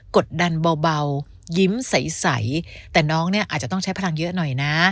กดดันเบายิ้มใสแต่น้องเนี่ยอาจจะต้องใช้พลังเยอะหน่อยนะ